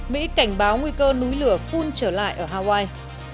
mỹ cảnh báo nguy cơ núi lửa phun trở lại ở hawaii